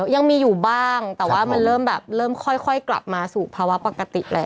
ยังมีอยู่บ้างแต่ว่ามันเริ่มแบบเริ่มค่อยกลับมาสู่ภาวะปกติแล้ว